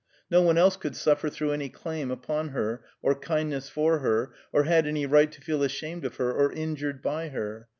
No one else could suffer through any claim upon her, or kindness for her, or had any right to feel ashamed of her or injured by her.